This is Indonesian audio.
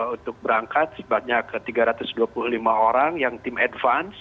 untuk berangkat sebabnya ke tiga ratus dua puluh lima orang yang tim advance